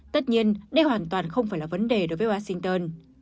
tất nhiên đây hoàn toàn không phải là vấn đề đối với washington